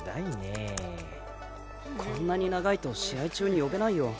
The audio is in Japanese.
こんなに長いと試合中に呼べないよ。